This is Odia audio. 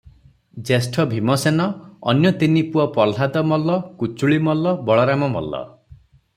ଜ୍ୟେଷ୍ଠ ଭୀମସେନ, ଅନ୍ୟ ତିନି ପୁଅ ପହ୍ଲାଦ ମଲ୍ଲ, କୁଚୁଳି ମଲ୍ଲ, ବଳରାମ ମଲ୍ଲ ।